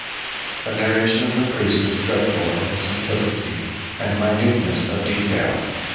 The narration of the priest is dreadful in its simplicity and minuteness of detail.